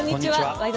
「ワイド！